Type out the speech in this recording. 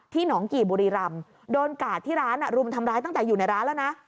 หนองกี่บุรีรำโดนกาดที่ร้านรุมทำร้ายตั้งแต่อยู่ในร้านแล้วนะ